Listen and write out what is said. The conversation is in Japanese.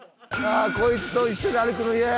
こいつと一緒に歩くのイヤや。